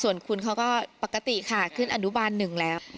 ส่วนคุณเขาก็ปกติค่ะขึ้นอนุบาลหนึ่งแล้ว